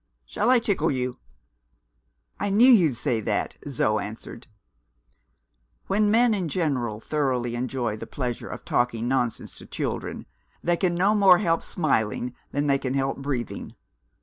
Shall I tickle you?" "I knew you'd say that," Zo answered. When men in general thoroughly enjoy the pleasure of talking nonsense to children, they can no more help smiling than they can help breathing.